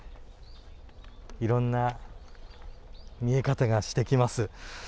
いろんな見え方がしてきます。